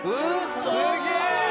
すげえ！